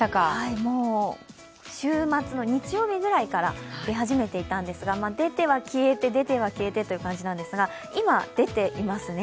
もう週末の日曜日くらいから出始めていたんですが、出ては消えて、出ては消えてという感じなんですが、今、出ていますね。